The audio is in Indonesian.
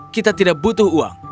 kita tidak butuh uang